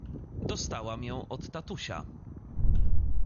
Dostałam ją od tatusia.